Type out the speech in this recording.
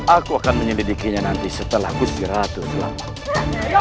aku akan menyelidikinya nanti setelah busti ratu selamat